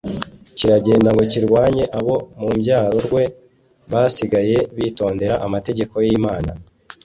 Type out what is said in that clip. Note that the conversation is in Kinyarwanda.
kiragenda ngo kirwanye abo mu mbyaro rwe basigaye bitondera amategeko y'Imana